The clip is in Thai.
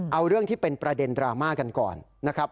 เอาเรื่องที่เป็นประเด็นดราม่ากันก่อนนะครับ